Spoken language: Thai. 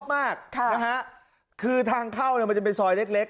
มากค่ะนะฮะคือทางเข้าเนี่ยมันจะเป็นซอยเล็กเล็ก